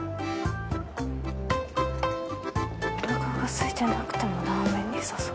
お腹が空いてなくてもラーメンに誘う。